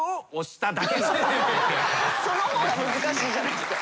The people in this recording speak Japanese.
その方が難しいじゃないですか。